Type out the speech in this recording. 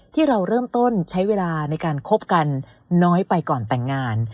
ที่เราเริ่มต้นใช้เวลาในการคบกันน้อยไปก่อนแต่งงาน